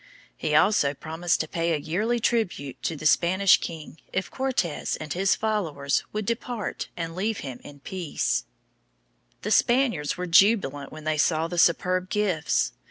He also promised to pay a yearly tribute to the Spanish king if Cortes and his followers would depart and leave him in peace. [Illustration: Aztecs.] The Spaniards were jubilant when they saw the superb gifts.